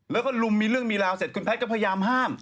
แล้วก็ลุมมีเรื่องมีราวเสร็จคุณแพทย์ก็พยายามห้าม